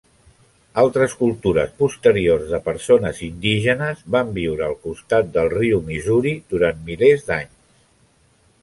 Altres cultures posteriors de persones indígenes van viure al costat del riu Missouri durant milers d"anys.